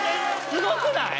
すごくない？